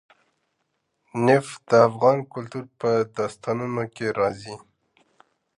نفت د افغان کلتور په داستانونو کې راځي.